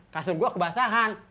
kasur gue kebasahan